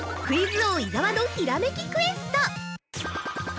クイズ王・伊沢のひらめきクエスト